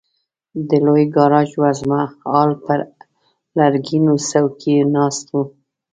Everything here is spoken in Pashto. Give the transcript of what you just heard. د لوی ګاراج وزمه هال پر لرګینو څوکیو ناست وو.